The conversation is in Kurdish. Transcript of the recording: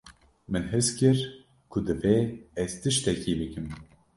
Min his kir ku divê ez tiştekî bikim.